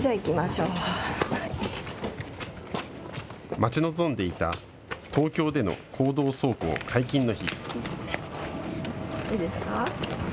待ち望んでいた東京での公道走行解禁の日。